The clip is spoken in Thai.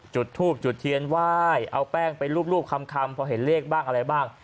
จุดทูบจุดเทียนไหว้เอาแป้งไปรูปคำพอเห็นเลขบ้างอะไรบ้าง